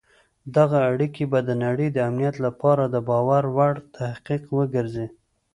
دغه اړیکي به د نړۍ د امنیت لپاره د باور وړ حقیقت وګرځي.